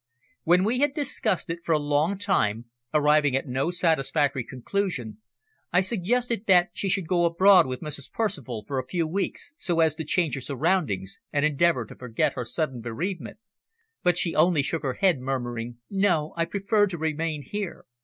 When we had discussed it for a long time, arriving at no satisfactory conclusion, I suggested that she should go abroad with Mrs. Percival for a few weeks so as to change her surroundings and endeavour to forget her sudden bereavement, but she only shook her head, murmuring "No, I prefer to remain here.